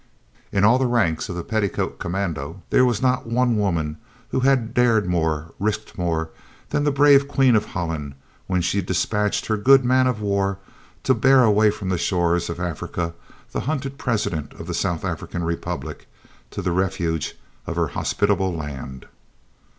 In all the ranks of the "Petticoat Commando" there was not one woman who had dared more, risked more, than the brave Queen of Holland when she dispatched her good man of war to bear away from the shores of Africa the hunted President of the South African Republic, to the refuge of her hospitable land.